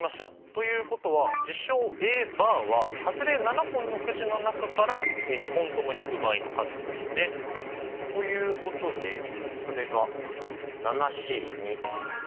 ということは事象Ａバーははずれ７本のくじの中から２本とも引く場合の数ですよね。ということでそれがＣになりますね。